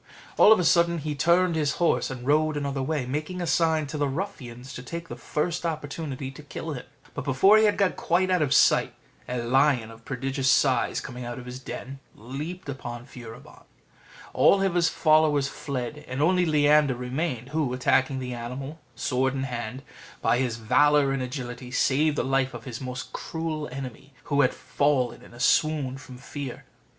All of a sudden he turned his horse, and rode another way, making a sign to the ruffians to take the first opportunity to kill him; but before he had got quite out of sight, a lion of prodigious size, coming out of his den, leaped upon Furibon: all his followers fled, and only Leander remained; who, attacking the animal sword in hand, by his valour and agility saved the life of his most cruel enemy, who had fallen in a swoon from fear.